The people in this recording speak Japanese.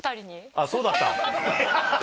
あっそうだったハハハ。